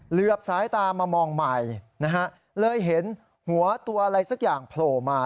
เหลือบสายตามามองใหม่นะฮะเลยเห็นหัวตัวอะไรสักอย่างโผล่มา